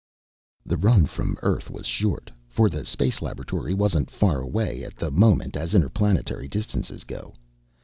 The run from Earth was short, for the space laboratory wasn't far away at the moment as interplanetary distances go.